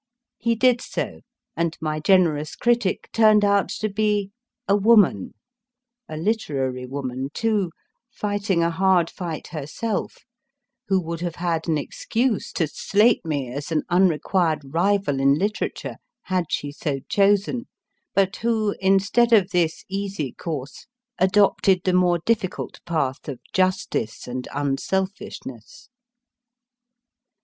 He did so, and my generous critic turned out to be a woman a literary woman, too, fighting a hard fight herself, who would have had an excuse to slate me as an unrequired rival in literature had she so chosen, but who, instead of this easy course, adopted the more difficult path of justice and un selfishness.